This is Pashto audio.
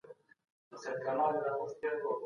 په خلګو کي د عدل او انصاف څخه کار واخلئ.